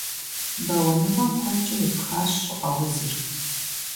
Бэуэныгъэм куэдкӀэ епхащ щӀыӀэ узыр.